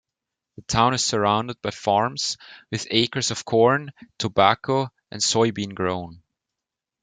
The town is surrounded by farms, with acres of corn, tobacco and soybean grown.